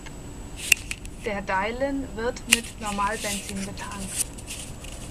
Der Dylan wird mit Normalbenzin betankt.